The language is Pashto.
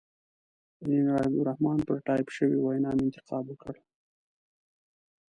د انجنیر حبیب الرحمن پر ټایپ شوې وینا مې انتقاد وکړ.